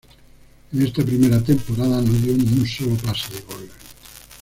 En esta primera temporada no dio ni un solo pase de gol.